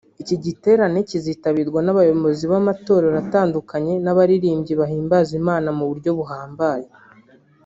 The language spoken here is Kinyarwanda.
Iki giterane kizitabirwa n’abayobozi b’amatorero atandukanye n’abaririmbyi bahimbaza Imana mu buryo buhambaye